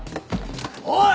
おい！